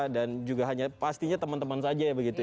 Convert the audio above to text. dan juga hanya pastinya teman teman saja ya begitu ya